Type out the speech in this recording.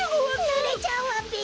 ぬれちゃうわべ！